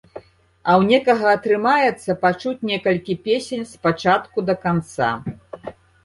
А ў некага атрымаецца пачуць некалі песень з пачатку да канца.